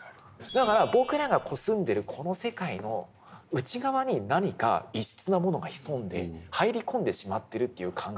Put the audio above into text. だから僕らが住んでるこの世界の内側に何か異質なものが潜んで入り込んでしまってるという感覚。